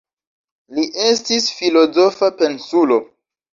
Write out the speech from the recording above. Li estas filozofa pensulo.